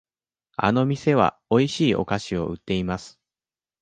あの店はおいしいお菓子を売っています。